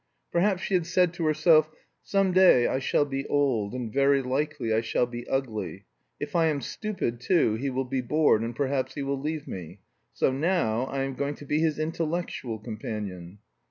Perhaps she had said to herself: "Some day I shall be old, and very likely I shall be ugly. If I am stupid too, he will be bored, and perhaps he will leave me. So now I am going to be his intellectual companion."